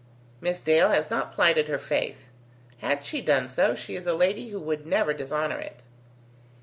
Miss Dale has not plighted her faith. Had she done so, she is a lady who would never dishonour it."